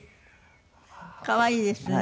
可愛いですね。